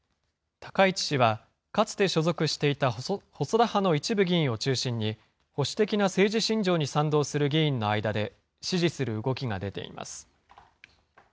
高市氏は、かつて所属していた細田派の一部議員を中心に、保守的な政治信条に賛同する議員の間で支持する動きが出ています。